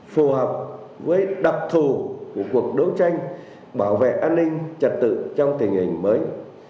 phù hợp với đặc thù của cuộc đấu tranh bảo vệ an ninh trật tự trong tình hình mới